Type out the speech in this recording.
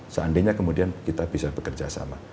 seandainya kemudian kita bisa bekerja sama